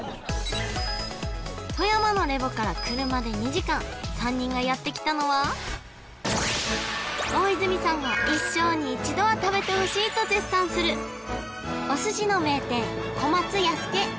富山のレヴォから車で２時間３人がやって来たのは大泉さんが一生に一度は食べてほしいと絶賛するお寿司の名店小松弥助